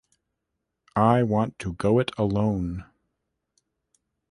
I want to go it alone.